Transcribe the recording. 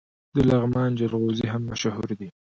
د لغمان جلغوزي هم مشهور دي.